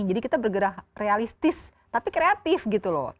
jadi kita bergerak realistis tapi kreatif gitu loh